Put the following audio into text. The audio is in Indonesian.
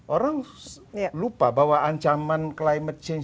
orang lupa bahwa ancaman climate change yang pertama itu akan terjadi